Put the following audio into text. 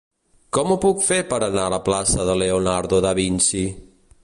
Com ho puc fer per anar a la plaça de Leonardo da Vinci?